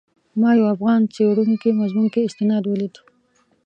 ما یو افغان څېړونکي مضمون کې استناد ولید.